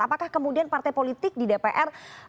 apakah kemudian partai politik di dpr